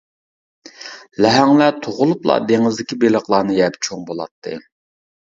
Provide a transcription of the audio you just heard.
لەھەڭلەر تۇغۇلۇپلا دېڭىزدىكى بېلىقلارنى يەپ چوڭ بولاتتى.